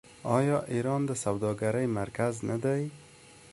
آیا ایران د سوداګرۍ مرکز نه دی؟